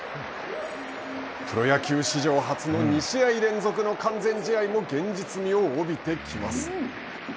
プロ野球史上初の２試合連続の完全試合も現実味を帯びてきます。